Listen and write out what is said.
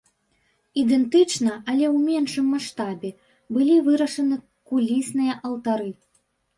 Ідэнтычна, але ў меншым маштабе, былі вырашаны кулісныя алтары.